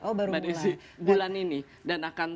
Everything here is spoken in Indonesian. oh baru mulai bulan ini dan akan